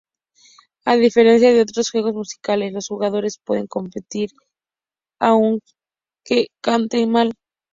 A diferencia de otros juegos musicales, los jugadores pueden competir aunque canten mal.